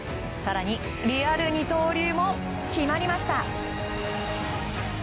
更にリアル二刀流も決まりました！